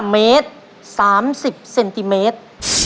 เมตร๓๐เซนติเมตร